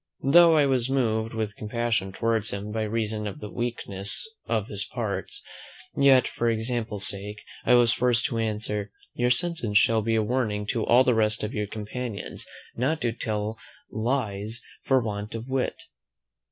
Though I was moved with compassion towards him, by reason of the weakness of his parts, yet for example sake I was forced to answer, "Your sentence shall be a warning to all the rest of your companions, not to tell lies for want of wit."